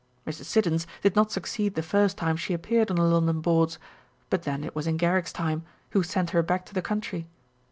Mrs. Siddons did not succeed the first time she appeared on the London boards, but then it was in Garrick's time, who sent her back to the country.